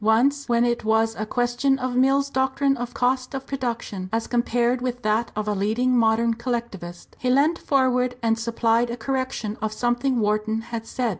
Once when it was a question of Mill's doctrine of cost of production as compared with that of a leading modern collectivist, he leant forward and supplied a correction of something Wharton had said.